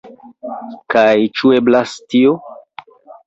Kaj ĉu eblas tio?